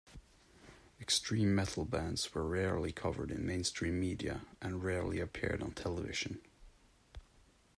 Extreme metal bands were rarely covered in mainstream media and rarely appeared on television.